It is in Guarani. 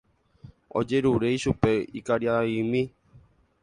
Ojerure ichupe ykaraimi.